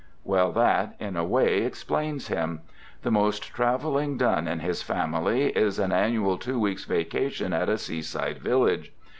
" Well, that, in a way, explains him. The most traveling done in his family is an annual two weeks' vacation at a seaside village.